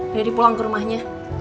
riri pulang ke rumahnya